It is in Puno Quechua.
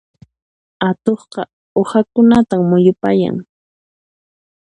Atuqqa uhakunatan muyupayan.